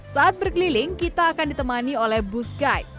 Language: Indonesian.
saat berkeliling kita akan ditemani oleh bus guide